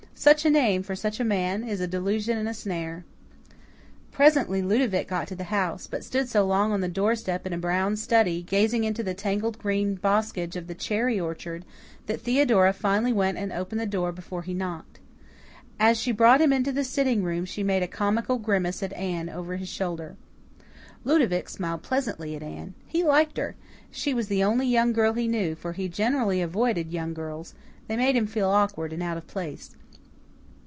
Such a name for such a man is a delusion and a snare." Presently Ludovic got to the house, but stood so long on the doorstep in a brown study, gazing into the tangled green boskage of the cherry orchard, that Theodora finally went and opened the door before he knocked. As she brought him into the sitting room she made a comical grimace at Anne over his shoulder. Ludovic smiled pleasantly at Anne. He liked her; she was the only young girl he knew, for he generally avoided young girls they made him feel awkward and out of place.